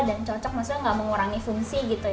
dan cocok maksudnya gak mengurangi fungsi gitu ya